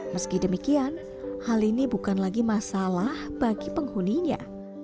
meski demikian hal ini bukan lagi masalah bagi penghuninya